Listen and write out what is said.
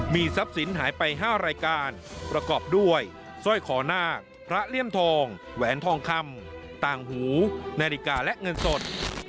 มีทรัพย์สินหายไป๕รายการประกอบด้วยสร้อยคอนาคพระเลี่ยมทองแหวนทองคำต่างหูนาฬิกาและเงินสด